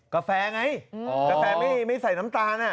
กาแฟไงกาแฟไม่ใส่น้ำตาล